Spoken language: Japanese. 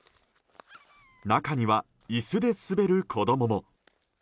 中には椅子で滑る子供も。